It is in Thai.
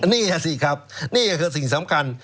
นี่สิครับนี่ก็คือสิ่งสำคัญ